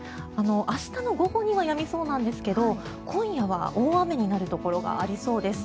明日の午後にはやみそうなんですが今夜は大雨になるところがありそうです。